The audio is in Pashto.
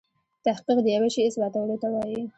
تحقیق دیوه شي اثباتولو ته وايي.